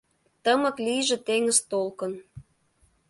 Тымык лийже теҥыз толкын.